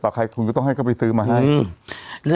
ต่อใครคนต้องให้เข้าไปซื้อมาให้